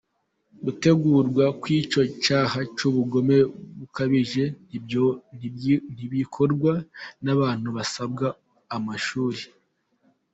Gutegurwa kw’icyo cyaha cy’ubugome bukabije ntibikorwa n’abantu b’abaswa mu ishuri.